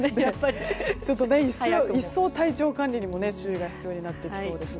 一層、体調管理にも注意が必要になってきそうです。